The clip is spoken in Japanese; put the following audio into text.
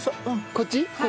こっち？